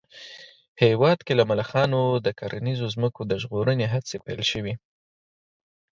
هېواد کې له ملخانو د کرنیزو ځمکو د ژغورنې هڅې پيل شوې